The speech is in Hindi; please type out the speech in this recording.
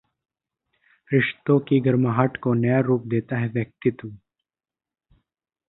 रिश्तों की गर्माहट को नया रूप देता है व्यक्तित्व